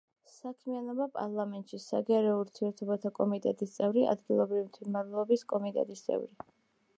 საქმიანობა პარლამენტში: საგარეო ურთიერთობათა კომიტეტის წევრი; ადგილობრივი თვითმმართველობის კომიტეტის წევრი.